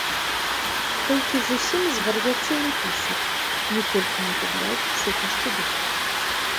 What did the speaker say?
Толькі зусім звар'яцелы пісар ніколькі не губляў прысутнасці духу.